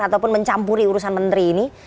ataupun mencampuri urusan menteri ini